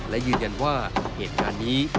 และยืนยันว่าเหตุการณ์นี้